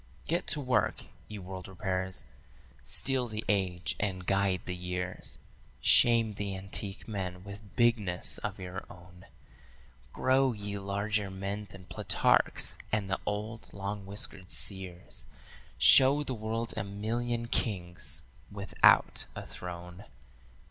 "Get to work, ye world repairers. Steel the age and guide the years, Shame the antique men with bigness of your own; Grow ye larger men than Plutarch's and the old long whiskered seers; Show the world a million kings without a throne.